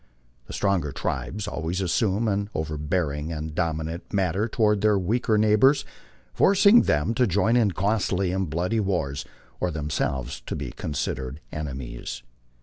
The stronger tribes always assume an overbearing and dominant manner to ward their weaker neighbors, forcing them to join in costly and bloody wars or themselves to be considered enemies.